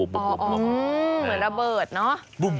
อย่างส่วนระเบิดนั้ง